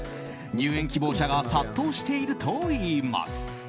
入園希望者が殺到しているといいます。